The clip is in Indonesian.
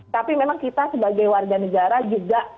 tapi memang kita sebagai warga negara juga